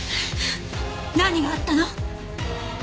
何があったの？